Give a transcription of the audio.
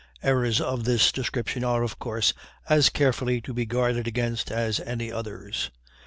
Errors of this description are, of course, as carefully to be guarded against as any others.